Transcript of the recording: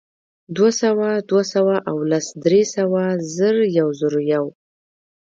دوهسوه، دوه سوه او لس، درې سوه، زر، یوزرویو